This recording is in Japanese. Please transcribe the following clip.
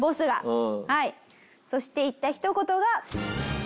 そして言ったひと言が。